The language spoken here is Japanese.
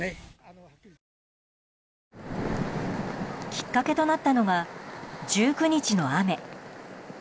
きっかけとなったのは１９日の雨。